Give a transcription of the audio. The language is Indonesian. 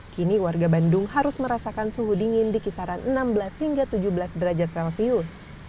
kini warga bandung harus merasakan suhu dingin di kisaran enam belas hingga tujuh belas derajat celcius